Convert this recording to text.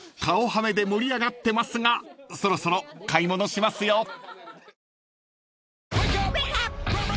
［顔ハメで盛り上がってますがそろそろ買い物しますよ］